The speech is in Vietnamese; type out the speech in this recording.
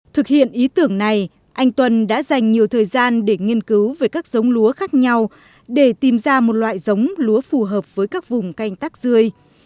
thực hiện ý tưởng này anh tuân đã dành nhiều thời gian để nghiên cứu về các giống lúa khác nhau để tìm ra một loại giống lúa phù hợp với các vùng canh tác dươi